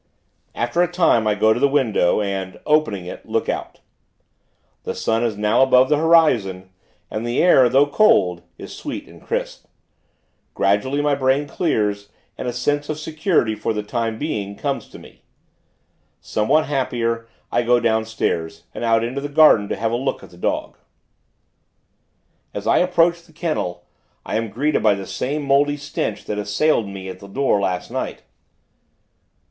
After a time, I go to the window, and, opening it, look out. The sun is now above the horizon, and the air, though cold, is sweet and crisp. Gradually, my brain clears, and a sense of security, for the time being, comes to me. Somewhat happier, I go down stairs, and out into the garden, to have a look at the dog. As I approach the kennel, I am greeted by the same mouldy stench that assailed me at the door last night.